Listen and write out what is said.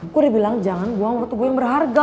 gue udah bilang jangan buang waktu gue yang berharga